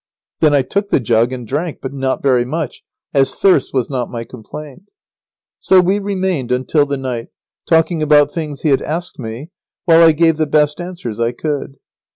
Then I took the jug and drank, but not very much, as thirst was not my complaint. So we remained until the night, talking about things he had asked me, while I gave the best answers I could.